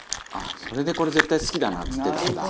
「それで“これ絶対好きだな”っつってたんだ」